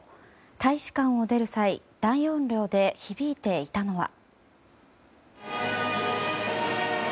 大使館を出る際大音量で響いていたのは。